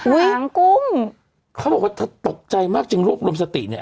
หางกุ้งเขาบอกว่าถ้าตกใจมากจึงโรคลมสติเนี่ย